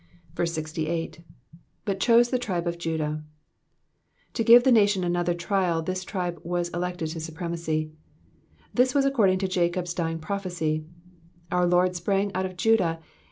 68. ''''But chose the tribe of JudaK^^ To give the nation another trial this tribe was elected to supremacy. This was according to Jacob's dying prophecy. Our Lord sprang out of Judah.